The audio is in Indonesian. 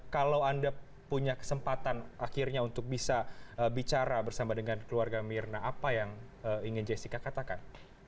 kalau anda punya kesempatan akhirnya untuk bisa bicara bersama dengan keluarga mirna apa yang ingin jessica katakan